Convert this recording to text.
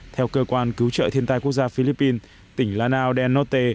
theo cơ quan cứu trợ thiên tai quốc gia philippines tỉnh lanao de norte